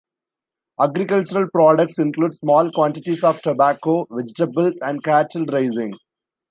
Agricultural products include small quantities of tobacco, vegetables, and cattle raising.